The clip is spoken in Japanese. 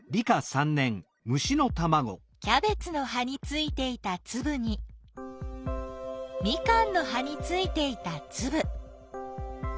キャベツの葉についていたつぶにミカンの葉についていたつぶ。